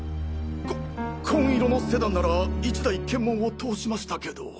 こ紺色のセダンなら１台検問を通しましたけど。